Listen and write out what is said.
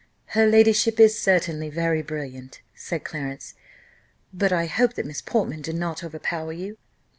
"Her ladyship is certainly very brilliant," said Clarence, "but I hope that Miss Portman did not overpower you."